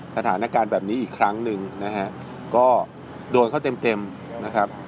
สถานการณ์แบบนี้อีกครั้งหนึ่งนะฮะก็โดนเขาเต็มเต็มนะครับ